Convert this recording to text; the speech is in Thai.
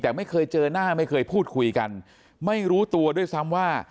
แต่ไม่เคยเจอหน้าไม่เคยพูดคุยกันไม่รู้ตัวด้วยซ้ำว่า